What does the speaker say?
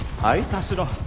田代